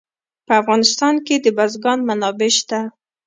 په افغانستان کې د بزګان منابع شته.